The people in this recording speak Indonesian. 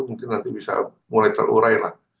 mungkin nanti bisa mulai terurai lah